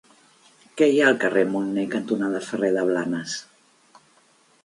Què hi ha al carrer Munner cantonada Ferrer de Blanes?